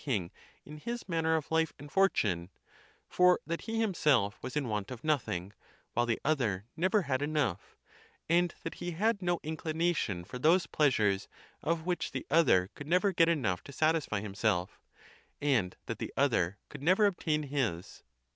king in his manner of life and fortune; for that he himself was in want of nothing, while the other never had enough; and that he had no in clination for those pleasures of which the other could nev er get enough to satisfy himself; and that the other could never obtain his.